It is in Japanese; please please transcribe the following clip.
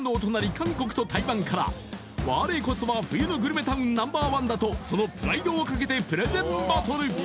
韓国と台湾から我こそは冬のグルメタウンＮｏ．１だとそのプライドをかけてプレゼンバトル！